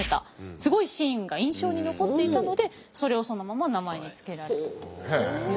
すごいシーンが印象に残っていたのでそれをそのまま名前に付けられたと。